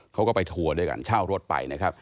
เขาก็ไปทัวร์ด้วยกันเช่ารถไปนะครับ